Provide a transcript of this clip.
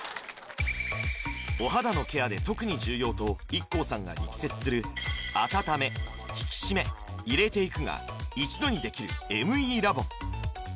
お肌のケアで特に重要とＩＫＫＯさんが力説する温め引き締め入れていくが一度にできるＭＥラボン